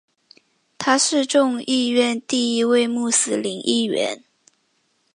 他是众议院第一位穆斯林议员。